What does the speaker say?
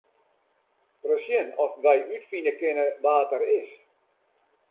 Ris sjen oft wy net útfine kinne wa't er is.